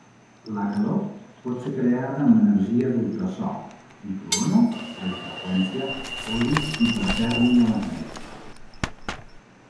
La calor pot ser creada amb energia d'ultrasò, microones, radiofreqüència, o l'ús d'hipertèrmia magnètica.